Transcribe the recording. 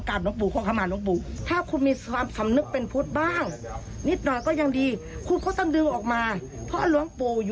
แล้วท่านอายุ๑๐๔ปีนะเนี่ยเท่าที่สอบถามมาเนี่ย